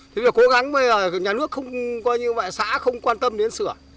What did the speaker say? thế bây giờ cố gắng bây giờ nhà nước không coi như vậy xã không quan tâm đến sửa